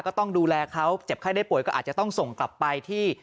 ก็ต้องดูแลเขาเจ็บไข้ได้ป่วยก็อาจจะต้องส่งกลับไปที่